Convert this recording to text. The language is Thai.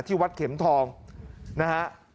ที่วัดเข็มทองนะฮะ